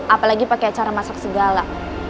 apalagi pakai cara masak segala